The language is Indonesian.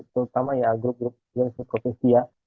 terutama ya grup grup yang supervisi ya